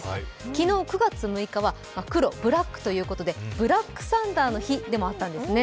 昨日９月６日はクロ、ブラックということでブラックサンダーの日でもあったんですね。